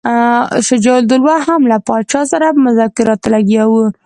شجاع الدوله هم له پاچا سره په مذاکراتو لګیا وو.